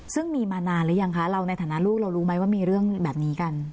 ซึ่งมีมานานหรือยังคะเราในฐานะลูกเรารู้ไหมว่ามีเรื่องแบบนี้กัน